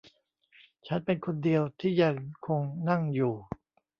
ฉันเป็นคนเดียวที่ยังคงนั่งอยู่